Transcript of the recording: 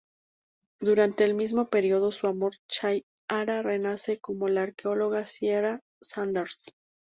Durante el mismo período, su amor Chay-Ara renace como la arqueóloga Shiera Sanders.